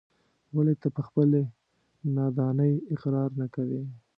ولې ته په خپلې نادانۍ اقرار نه کوې.